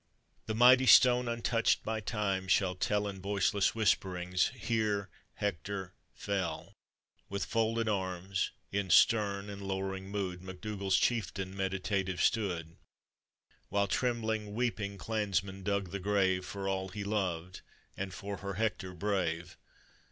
The mighty stone, untouched by Time, shall tell In voiceless whisperings, 'Here Hector fell' " With folded arms, in stern and lowering mood, MacDougall's chieftain meditative stood; While trembling, weeping clansmen dug the grave For all he loved, and for her Hector brave.